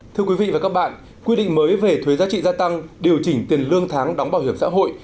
thưa quý vị và các bạn quy định mới về thuế giá trị gia tăng điều chỉnh tiền lương tháng đóng bảo hiểm xã hội